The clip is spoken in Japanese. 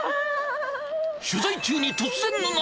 取材中に突然の涙。